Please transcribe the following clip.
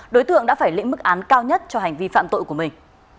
đối tượng đã phải lĩnh mức án cao nhất cho hành vi phạm tội của mình